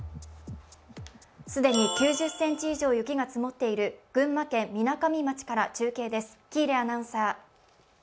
既に９０ｃｍ以上雪が積もっている群馬県みなかみ町から中継です。